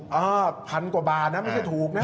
เออพันกว่าบาทนะไม่ใช่ถูกนะ